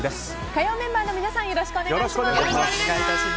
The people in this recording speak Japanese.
火曜メンバーの皆さんよろしくお願いします。